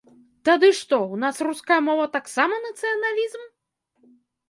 Тады што, у нас руская мова таксама нацыяналізм?